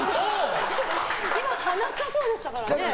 今話したそうでしたからね。